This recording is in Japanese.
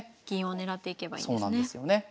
銀を狙っていけばいいんですね。